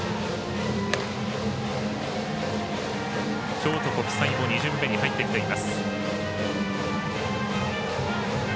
京都国際も２巡目に入ってきています。